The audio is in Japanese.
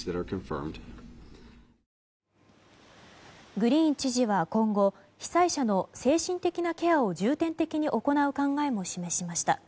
グリーン知事は今後被災者の精神的なケアを重点的に行う考えも示しました。